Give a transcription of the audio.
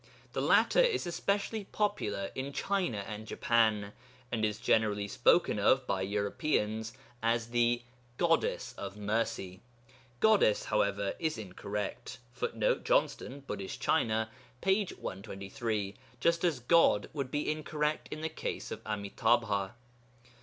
The latter is especially popular in China and Japan, and is generally spoken of by Europeans as the 'Goddess of Mercy.' 'Goddess,' however, is incorrect, [Footnote: Johnston, Buddhist China, p. 123.] just as 'God' would be incorrect in the case of Ami'tābha.